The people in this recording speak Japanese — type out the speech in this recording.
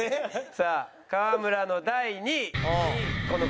さあ川村の第２位この方。